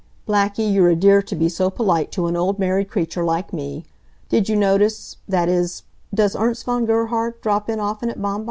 "Blackie, you're a dear to be so polite to an old married cratur' like me. Did you notice that is, does Ernst von Gerhard drop in often at Baumbach's?"